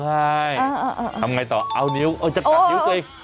ทำอย่างไรต่อเอานิ้วจะกัดนิ้วตัวเอง